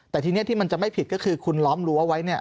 แต่ทีนี้ที่มันจะไม่ผิดก็คือคุณล้อมรั้วไว้เนี่ย